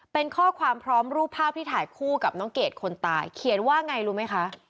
เป็นข้อความพร้อมรูปภาพที่ถ่ายคู่กับน้องเกดคนตายเขียนว่าไงรู้ไหมคะ